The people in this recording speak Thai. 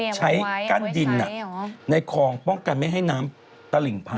กั้นดินในคลองป้องกันไม่ให้น้ำตลิ่งพัง